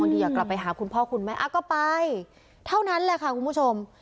ทีอยากกลับไปหาคุณพ่อคุณแม่ก็ไปเท่านั้นแหละค่ะคุณผู้ชม